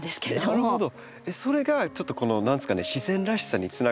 なるほど。